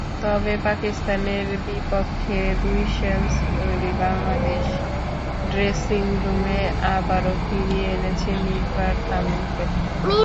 তবে পাকিস্তানের বিপক্ষে দুই সেঞ্চুরি বাংলাদেশ ড্রেসিংরুমে আবারও ফিরিয়ে এনেছে নির্ভার তামিমকে।